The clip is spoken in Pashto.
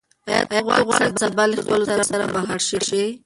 ایا ته غواړې چې سبا له خپل زوی سره بهر لاړه شې؟